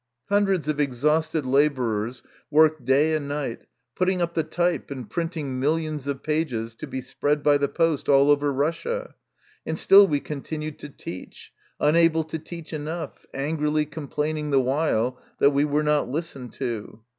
Hundreds of exhausted labourers worked day and night, putting up the type and printing millions of pages to be spread by the post all over Russia, and still we continued to teach, unable to teach enough, angrily complaining the while that we were not listened to.